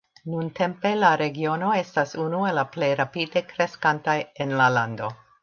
Nuntempe, la regiono estas unu el la plej rapide kreskantaj en la lando.